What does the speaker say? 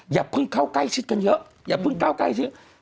อย่าเพิ่งเข้าใกล้ชิดกันเยอะอย่าเพิ่งก้าวใกล้ชิด